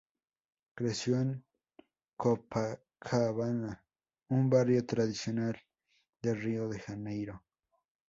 Creció en Copacabana, un barrio tradicional de Río de Janeiro.